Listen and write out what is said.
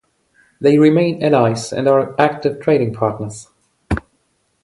They remain allies and are active trading partners.